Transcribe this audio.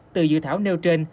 từ dự thảo nêu trên